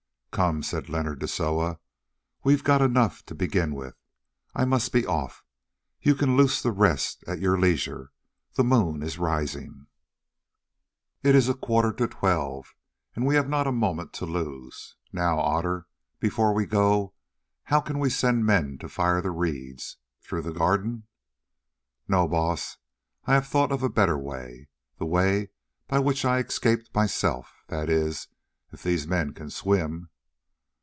"Come," said Leonard to Soa, "we have got enough to begin with. I must be off. You can loose the rest at your leisure; the moon is rising, it is a quarter to twelve, and we have not a moment to lose. Now, Otter, before we go, how can we send men to fire the reeds—through the garden?" "No, Baas, I have thought of a better way, the way by which I escaped myself—that is, if these men can swim."